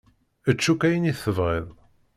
Ečč akk ayen i tebɣiḍ.